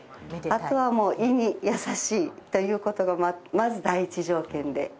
あとはもう胃に優しいということがまず第一条件で。